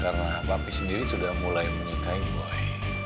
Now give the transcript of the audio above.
karena papi sendiri sudah mulai menyukai boy